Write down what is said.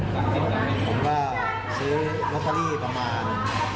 ผมก็ซื้อลอตเตอรี่ประมาณ